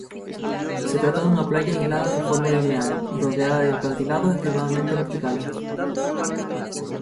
Se trata de una playa aislada en forma lineal, rodeada de acantilados extremadamente verticales.